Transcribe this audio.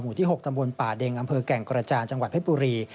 ที่๖ตำบลป่าเด็งอำเภอแก่งกระจานจังหวัดเพชรบุรี